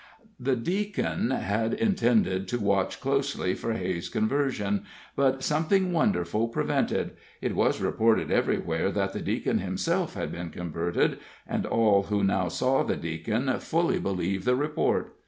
The Deacon had intended to watch closely for Hays' conversion, but something wonderful prevented it was reported everywhere that the Deacon himself had been converted, and all who now saw the Deacon fully believed the report.